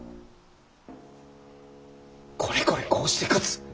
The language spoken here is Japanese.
これこれこうして勝つ